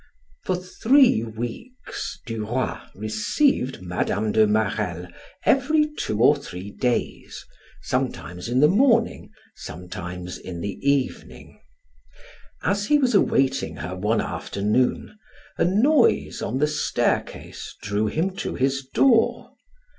For three weeks Duroy received Mme. de Marelle every two or three days, sometimes in the morning, sometimes in the evening. As he was awaiting her one afternoon, a noise on the staircase drew him to his door.